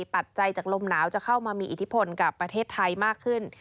ปัจจัยจากลมหนาวจะเข้ามามีอิทธิพลกับประเทศไทยมากขึ้น